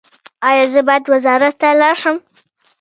ایا زه باید وزارت ته لاړ شم؟